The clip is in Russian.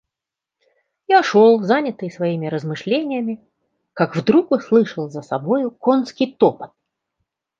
Я шел, занятый своими размышлениями, как вдруг услышал за собою конский топот.